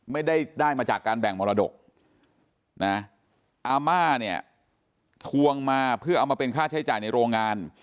ไม่ได้ได้มาจากการแบ่งมรดกนะอาม่าเนี่ยทวงมาเพื่อเอามาเป็นค่าใช้จ่ายในโรงงาน